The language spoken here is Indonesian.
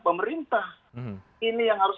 pemerintah ini yang harus